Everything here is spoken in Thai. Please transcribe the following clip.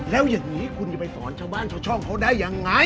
แล้วอย่างนี้คุณจะไปสอนชาวบ้านชาวช่องเขาได้ยังไง